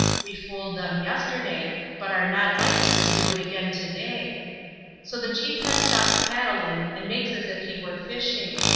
We fooled them yesterday, but are not likely to do it again to day. So the chief has stopped paddling and makes as if he were fishing.